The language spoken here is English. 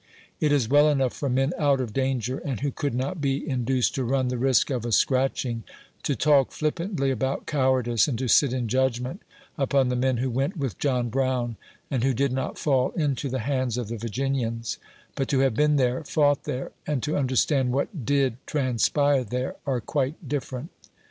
It is well enough for men out of danger, and who could not be in duced to run the risk of a scratching, to talk flippantly about cowardice, and to sit in judgment upon the men who went with John Brown, and who did not fall iuto the hands of the Vir ginians ; but to have been there, fought there, and to under stand what did transpire there, are quite different.